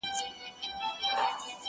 وایې خدای دې کړي خراب چي هرچا وړﺉ,